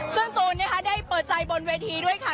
ซึ่งตูนนะคะได้เปิดใจบนเวทีด้วยค่ะ